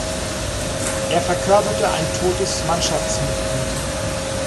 Er verkörperte ein "totes Mannschaftsmitglied".